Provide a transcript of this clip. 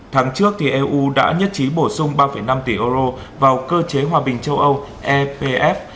tháng trước eu đã nhất trí bổ sung ba năm tỷ euro vào cơ chế hòa bình châu âu epf